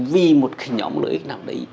vì một nhóm lợi ích nào đấy